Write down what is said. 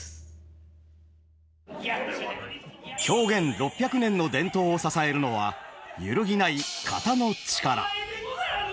狂言６００年の伝統を支えるのは揺るぎない「型」の力。